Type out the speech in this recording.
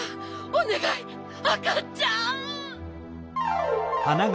おねがいあかちゃん！